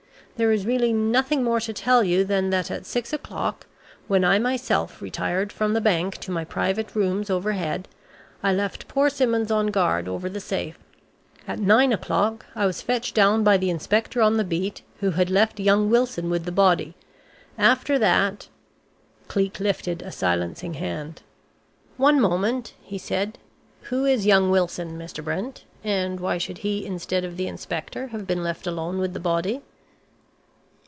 There is really nothing more to tell you than that at 6 o'clock, when I myself retired from the bank to my private rooms overhead, I left poor Simmons on guard over the safe; at nine o'clock I was fetched down by the inspector on the beat, who had left young Wilson with the body. After that " Cleek lifted a silencing hand. "One moment," he said. "Who is young Wilson, Mr. Brent, and why should he instead of the inspector have been left alone with the body?"